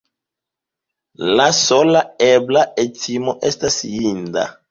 La sola ebla etimo estas jida.